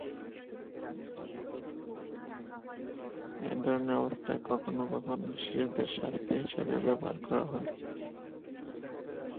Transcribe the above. এ ধরনের অবস্থান কখনও কখনও শিশুদের শাস্তি হিসেবে ব্যবহার করা হয়।